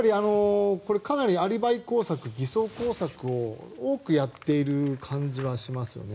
かなりアリバイ工作、偽装工作を多くやっている感じはしますよね。